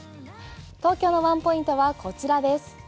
東京のワンポイントはこちらです。